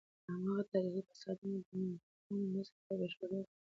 هماغه تاریخي تصادم د ډیناسورانو نسل په بشپړ ډول ختم کړ.